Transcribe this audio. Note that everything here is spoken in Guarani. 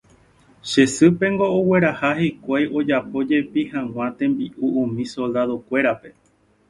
che sýpengo ogueraha hikuái ojapo jepi hag̃ua tembi’u umi soldado-kuérape